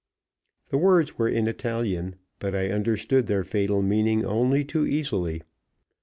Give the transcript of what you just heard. The words were in Italian, but I understood their fatal meaning only too easily.